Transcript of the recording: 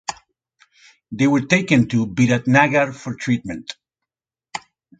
They were taken to Biratnagar for treatment.